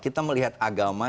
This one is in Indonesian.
kita melihat agama